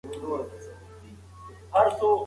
روغتيائي ټولنپوهنه د بدلون لپاره تکتيکونه کاروي.